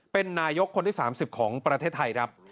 เป็นนายกคนที่๓๐ของประเทศไทยครับ